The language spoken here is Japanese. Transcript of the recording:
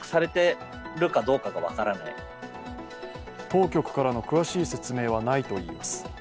当局からの詳しい説明はないといいます。